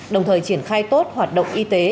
đồng thời triển khai tốt hoạt động y tế